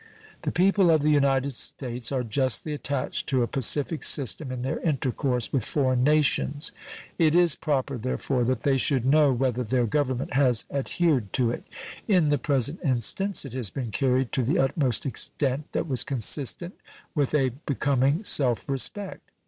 The people of the United States are justly attached to a pacific system in their intercourse with foreign nations. It is proper, therefore, that they should know whether their Government has adhered to it. In the present instance it has been carried to the utmost extent that was consistent with a becoming self respect.